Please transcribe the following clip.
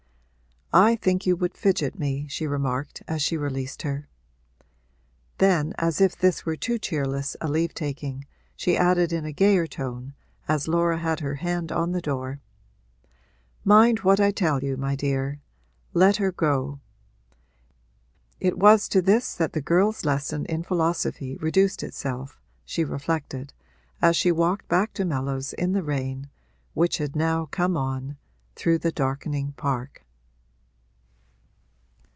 'I think you would fidget me,' she remarked as she released her. Then, as if this were too cheerless a leave taking, she added in a gayer tone, as Laura had her hand on the door: 'Mind what I tell you, my dear; let her go!' It was to this that the girl's lesson in philosophy reduced itself, she reflected, as she walked back to Mellows in the rain, which had now come on, through the darkening park.